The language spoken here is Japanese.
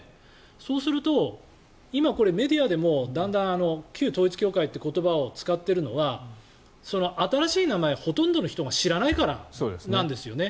そうすると今、メディアでもだんだん旧統一教会って言葉を使っているのは新しい名前をほとんどの人が知らないからなんですよね。